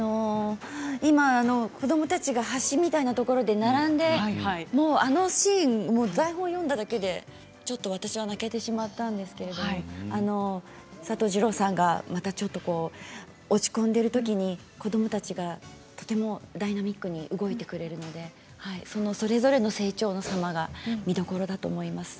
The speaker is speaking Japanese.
今、子どもたちが橋みたいなところで並んであのシーンは台本を読んだだけで私はちょっと泣けてしまったんですけれど佐藤二朗さんがまた落ち込んでいるときに子どもたちがとてもダイナミックに動いてくれるのでそれぞれの成長の様が見どころだと思います。